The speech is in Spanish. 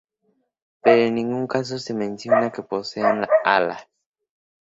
Pero en ningún caso se menciona que posean alas.